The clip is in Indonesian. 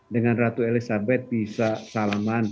dengan ratu elizabeth bisa salaman